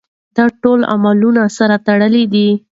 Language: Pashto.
دا ټول عوامل سره تړلي دي.